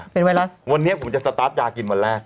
เป็นไวรัสวันนี้ผมจะสตาร์ทยากินวันแรก